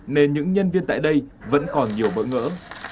nên những nhân viên tại đây vẫn còn nhiều bỡ ngỡ